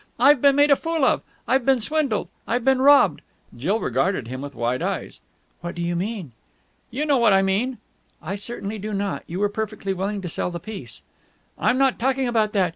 "I've been made a fool of! I've been swindled! I've been robbed!" Jill regarded him with wide eyes. "What do you mean?" "You know what I mean!" "I certainly do not! You were perfectly willing to sell the piece." "I'm not talking about that!